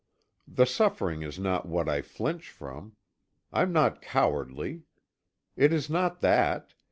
The suffering is not what I flinch from. I'm not cowardly. It is not that.